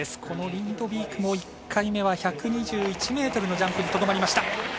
このリンドビークも１回目は１２１ｍのジャンプにとどまりました。